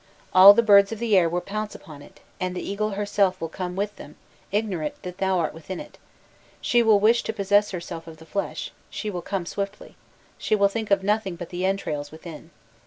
All the birds of the air will pounce upon it.... and the eagle herself will come with them, ignorant that thou art within it; she will wish to possess herself of the flesh, she will come swiftly she will think of nothing but the entrails within.